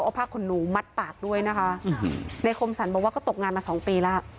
เอาผ้าขนหนูมัดปากด้วยนะคะในคมสรรบอกว่าก็ตกงานมาสองปีแล้ว